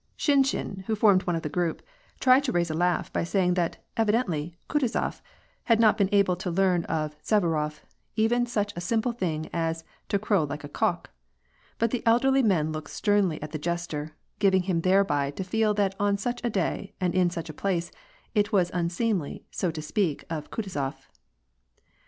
Shinshin, who formed one of the group, tried to raise a laugh by saying that evidently Kutuzof had not been able to learn of Suvarof even such a simple thing as to crow like a cock ; but the elderly men looked sternly at the jester, giving him thereby to feel that on such a day, and in such a place, it was unseemly so to speak of Kutuzof.